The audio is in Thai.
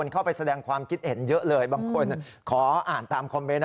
เข้าไปแสดงความคิดเห็นเยอะเลยบางคนขออ่านตามคอมเมนต์นะ